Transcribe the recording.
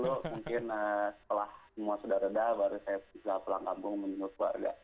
itu mungkin setelah semua sudah reda baru saya bisa pulang kampung menyengut keluarga